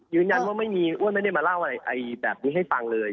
ยืนยันว่าไม่มีอ้วนไม่ได้มาเล่าอะไรแบบนี้ให้ฟังเลย